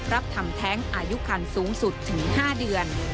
รับทำแท้งอายุคันสูงสุดถึง๕เดือน